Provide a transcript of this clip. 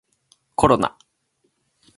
コロナ